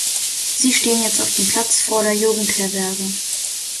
Sie steht jetzt auf dem Platz vor der Jugendherberge.